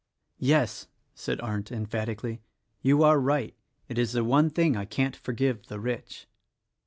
"Yes!" said Arndt, emphatically, "you are right. It is the one thing I can't forgive the rich."